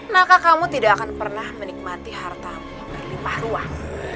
maka kamu tidak akan pernah menikmati hartamu berlimpah ruang